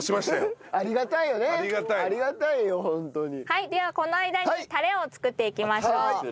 はいではこの間にタレを作っていきましょう。